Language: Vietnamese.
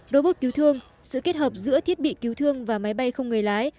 robot cứu thương sự kết hợp giữa thiết bị cứu thương và máy bay không người lái